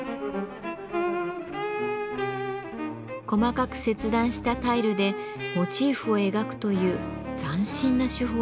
細かく切断したタイルでモチーフを描くという斬新な手法でした。